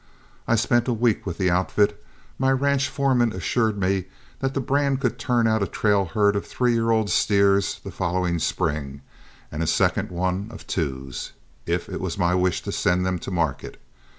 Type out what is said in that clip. I spent a week with the outfit; my ranch foreman assured me that the brand could turn out a trail herd of three year old steers the following spring and a second one of twos, if it was my wish to send them to market.